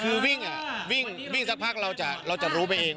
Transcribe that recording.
คือวิ่งวิ่งสักพักเราจะรู้ไปเอง